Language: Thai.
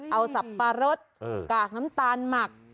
เอาสับปะรดกากน้ำตาลหมัก